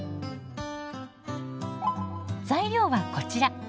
材料はこちら。